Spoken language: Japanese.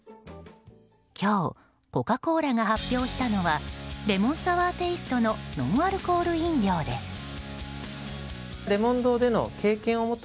今日、コカ・コーラが発表したのはレモンサワーテイストのノンアルコール飲料です。